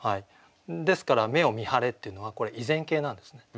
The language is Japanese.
ですから「目を見張れ」っていうのはこれ已然形なんですね。